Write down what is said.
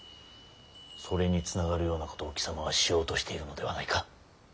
それにつながるようなことを貴様はしようとしているのではないか？